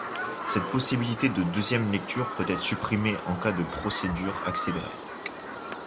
Cette possibilité de deuxième lecture peut être supprimée en cas de procédure accélérée.